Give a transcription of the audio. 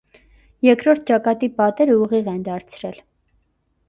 Երկրորդ ճակատի պատերը ուղիղ են դարձրել։